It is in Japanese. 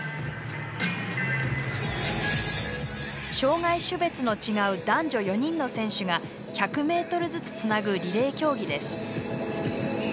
障がい種別の違う男女４人の選手が１００ｍずつつなぐリレー競技です。